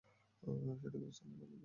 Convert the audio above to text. সঠিক অবস্থা আল্লাহই ভাল জানেন।